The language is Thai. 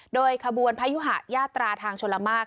โดยขบวนพยุหะยาตราทางชลมาก